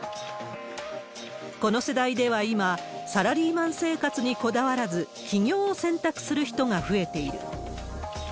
この世代では今、サラリーマン生活にこだわらず、起業を選択する人が増えている。